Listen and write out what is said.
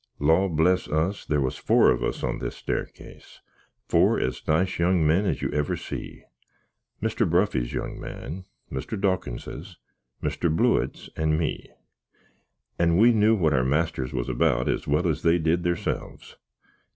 Law bless us! there was four of us on this stairkes, four as nice young men as you ever see; Mr. Bruffy's young man, Mr. Dawkinses, Mr. Blewitt's, and me and we knew what our masters was about as well as they did theirselfs.